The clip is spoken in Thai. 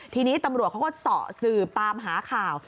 ทีนี้ตำรวจเขาก็เสาะสืบตามหาข่าว